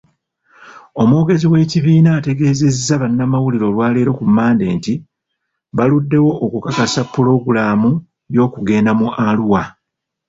Omwogezi w'ekibiina, ategeezezza bannamawulire olwaleero ku Mmande nti, baluddewo okukakasa pulogulaamu y'okugenda mu Arua